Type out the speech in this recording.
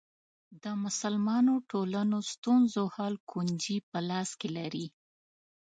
د مسلمانو ټولنو ستونزو حل کونجي په لاس کې لري.